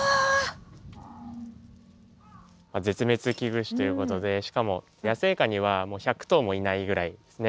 絶滅危惧種ということでしかも野生下には１００頭もいないぐらいですね